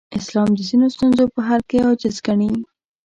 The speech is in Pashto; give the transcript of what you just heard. اسلام د ځینو ستونزو په حل کې عاجز ګڼي.